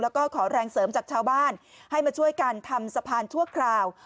แล้วก็ขอแรงเสริมจากชาวบ้านให้มาช่วยกันทำสะพานชั่วคราว